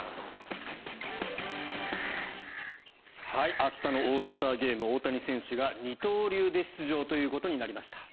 明日のオールスターゲーム大谷選手が二刀流で出場ということになりました。